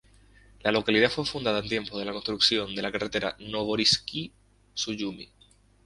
La localidad fue fundada en tiempos de la construcción de la carretera Novorosíisk-Sujumi.